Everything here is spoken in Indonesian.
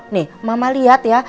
nih mama lihat ya